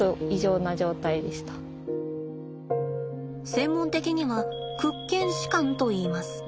専門的には屈腱弛緩といいます。